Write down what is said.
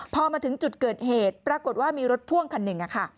พอมาถึงจุดเกิดเหตุปรากฏว่ามีรถพ่วงคันหนึ่ง